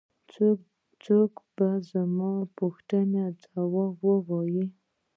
څوک به زما د پوښتنې ځواب ووايي.